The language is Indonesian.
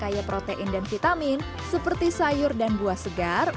kaya protein dan vitamin seperti sayur dan buah segar